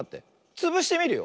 つぶしてみるよ。